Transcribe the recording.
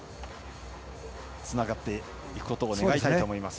つながっていくことを願いたいと思います。